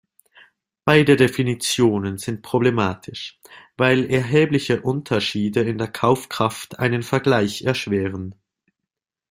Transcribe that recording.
Beide Definitionen sind problematisch, weil erhebliche Unterschiede in der Kaufkraft einen Vergleich erschweren.